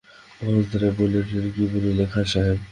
বসন্ত রায় বলিয়া উঠিলেন, কী বলিলে খাঁ সাহেব?